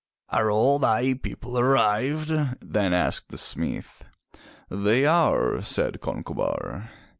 "Are all thy people arrived?" then asked the smith. "They are," said Concobar.